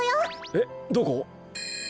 えっどこ？